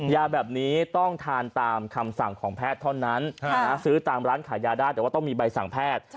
ยาแบบนี้ต้องทานตามคำสั่งของแพทย์เท่านั้นซื้อตามร้านขายยาได้แต่ว่าต้องมีใบสั่งแพทย์